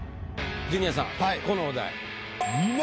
ジュニアさんこのお題。